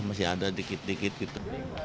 masih ada dikit dikit gitu